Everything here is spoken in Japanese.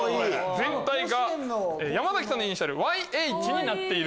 全体が山崎さんのイニシャル「ＹＨ」になっている。